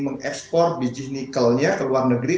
mengekspor biji nikelnya ke luar negeri